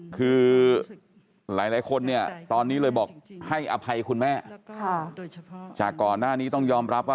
คือหลายคนเนี่ยตอนนี้เลยบอกให้อภัยคุณแม่โดยเฉพาะจากก่อนหน้านี้ต้องยอมรับว่า